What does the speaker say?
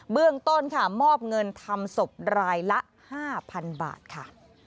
เรื่องต้นค่ะมอบเงินทำศพรายละ๕๐๐๐บาทค่ะ